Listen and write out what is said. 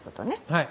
はい。